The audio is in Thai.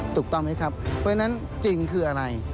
ถูกต้องไหมครับเพราะฉะนั้นจริงคืออะไร